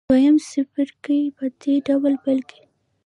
دویم څپرکی په دې ډول پیل کیږي.